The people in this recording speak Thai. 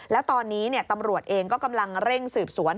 แล้วตอนนี้ตำรวจเองก็กำลังเร่งสืบสวน